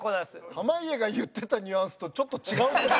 濱家が言ってたニュアンスとちょっと違う。